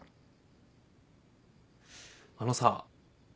あのさ。